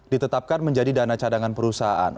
ditetapkan menjadi dana cadangan perusahaan